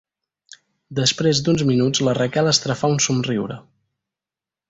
Després d'uns minuts la Raquel estrafà un somriure.